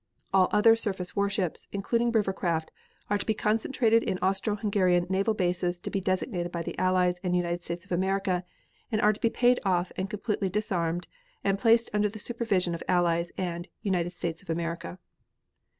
All other surface warships, including river craft, are to be concentrated in Austro Hungarian naval bases to be designated by the Allies and United States of America and are to be paid off and completely disarmed and placed under the supervision of Allies and United States of America.